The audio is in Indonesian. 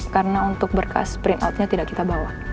karena untuk berkas print outnya tidak kita bawa